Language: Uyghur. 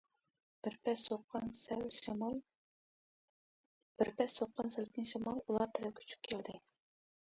بىر پەس سوققان سەلكىن شامال ئۇلار تەرەپكە ئۇچۇپ كەلدى.